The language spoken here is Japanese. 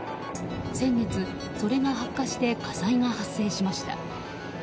先月、それが発火して火災が発生しました。